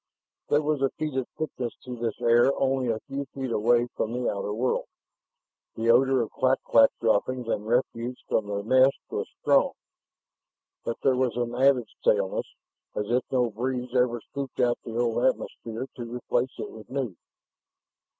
There was a fetid thickness to this air only a few feet away from the outer world. The odor of clak clak droppings and refuse from their nests was strong, but there was an added staleness, as if no breeze ever scooped out the old atmosphere to replace it with new.